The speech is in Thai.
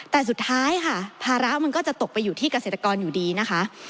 แต่สุดท้ายค่ะภาระมันก็จะตกไปอยู่ที่เกษตรกรอยู่ดีนะคะ